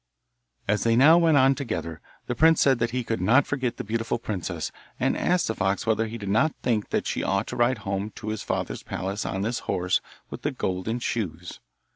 As they now went on together the prince said that he could not forget the beautiful princess, and asked the fox whether he did not think that she ought to ride home to his father's palace on this horse with the golden shoes.